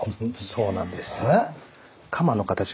そうなんです。